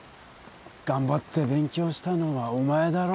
頑張って勉強したのはお前だろ。